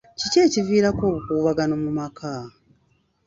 Kiki ekiviirako obukuubagano mu maka?